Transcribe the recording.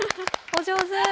お上手。